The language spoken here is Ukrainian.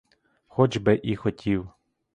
Хоч би і хотів.